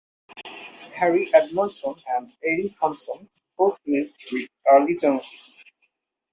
Harry Edmondson and Eddie Thompson both missed with early chances.